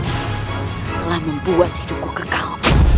telah membuat hidupku kekal